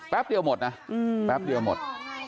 เดียวหมดนะแป๊บเดียวหมด